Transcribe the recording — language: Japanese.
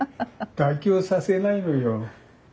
妥協させないのよ。